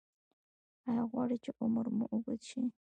ایا غواړئ چې عمر مو اوږد شي؟